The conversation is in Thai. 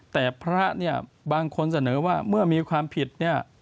แต่พระเนี่ยบางคนเสนอว่าเมื่อมีความผิดเนี่ย